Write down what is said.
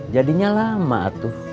jadinya lama tuh